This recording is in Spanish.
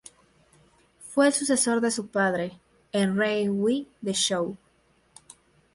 Fue el sucesor de su padre, el Rey Hui de Zhou.